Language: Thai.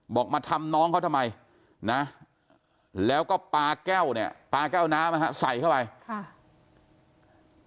บอกมาทำน้องเขาทำไมนะแล้วก็ปลาแก้วเนี่ยปลาแก้วน้ำนะฮะใส่เข้าไปค่ะ